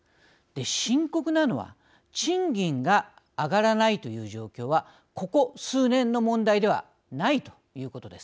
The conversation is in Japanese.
深刻なのは賃金が上がらないという状況はここ数年の問題ではないということです。